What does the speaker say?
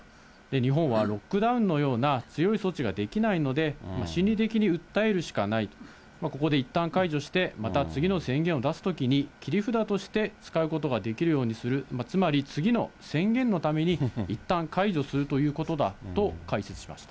日本はロックダウンのような強い措置ができないので、心理的に訴えるしかないと、ここでいったん解除して、また次の宣言を出すときに、切り札として使うことができるようにする、つまり次の宣言のためにいったん解除するということだと解説しました。